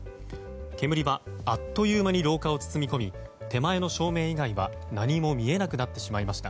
煙はあっという間に廊下を包み込み手前の照明以外は何も見えなくなってしまいました。